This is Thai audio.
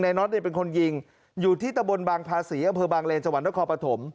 นายน็อตเนี่ยเป็นคนยิงอยู่ที่ตะบนบางพาศีกระเภอบางเลนส์จังหวันและคอปฐม